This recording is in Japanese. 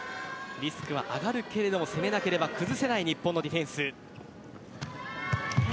リスクは上がるけれど攻めなければ崩せない日本のディフェンス。